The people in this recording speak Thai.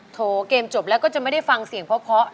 โถเกมจบแล้วก็จะไม่ได้ฟังเสียงเพราะ